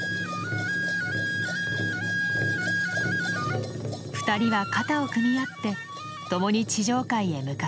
２人は肩を組み合って共に地上界へ向かうのでした。